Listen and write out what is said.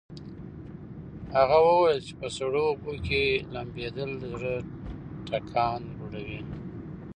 هغه وویل چې په سړو اوبو کې لامبېدل د زړه ټکان لوړوي.